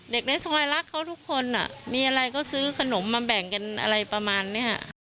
ในซอยรักเขาทุกคนมีอะไรก็ซื้อขนมมาแบ่งกันอะไรประมาณนี้